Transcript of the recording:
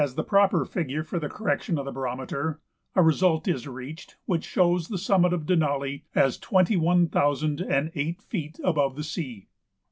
as the proper figure for the correction of the barometer, a result is reached which shows the summit of Denali as twenty one thousand and eight feet above the sea.